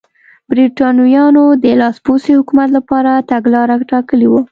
برېټانویانو د لاسپوڅي حکومت لپاره تګلاره ټاکلې وه.